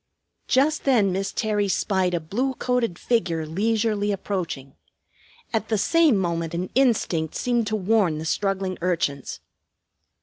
Just then Miss Terry spied a blue coated figure leisurely approaching. At the same moment an instinct seemed to warn the struggling urchins.